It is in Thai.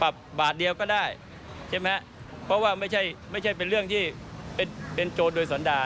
ปับบาทเดียวก็ได้เพราะว่าไม่ใช่เป็นเรื่องที่เป็นโจทย์โดยส่วนดาร